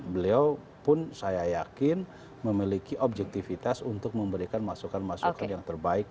beliau pun saya yakin memiliki objektivitas untuk memberikan masukan masukan yang terbaik